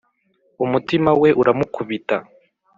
umutima we uramukubita